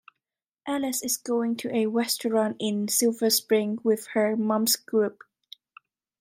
Alice is going to a restaurant in Silver Spring with her mom's group